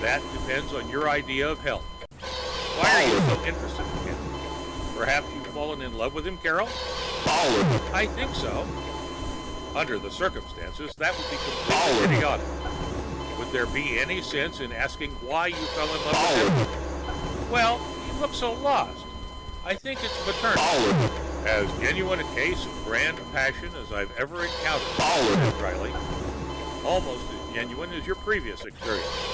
"That depends on your idea of help. Why are you so interested in him? Perhaps you're falling in love with him, Carol?" "I think so." "Under the circumstances, that's completely idiotic. Would there be any sense in asking why you fell in love with him?" "Well, he looked so lost! I guess it's maternal " "As genuine a case of the grand passion as I've ever encountered," he said drily. "Almost as genuine as your previous experience."